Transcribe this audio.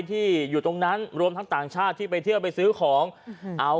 ที่อยู่ตรงนั้นรวมทั้งต่างชาติที่ไปเที่ยวไปซื้อของเอา